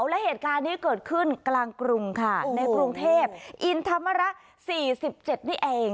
และเหตุการณ์นี้เกิดขึ้นกลางกรุงค่ะในกรุงเทพอินธรรมระ๔๗นี่เอง